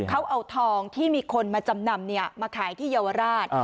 เขาเอาทองที่มีคนมาจำนำมาขายที่เยาวราช